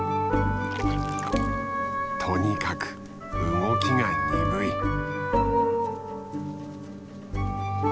とにかく動きが鈍い。